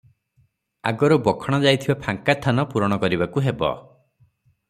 ଆଗରୁ ବଖଣାଯାଇଥିବା ଫାଙ୍କା ଥାନ ପୂରଣ କରିବାକୁ ହେବ ।